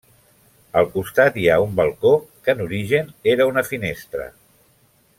Al costat hi ha un balcó que en origen era una finestra.